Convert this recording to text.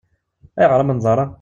Ayɣer amenḍar-a?